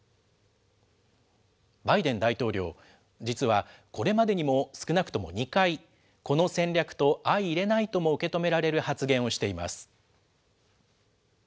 バイデン大統領、実はこれまでにも少なくとも２回、この戦略と相いれないとも受け止められる発言をしています。